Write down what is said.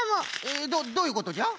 えどういうことじゃ？